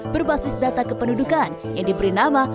berbasis data kependudukan yang diberi nama